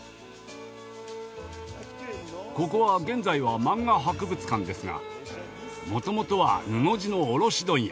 ここは現在は漫画博物館ですがもともとは布地の卸問屋。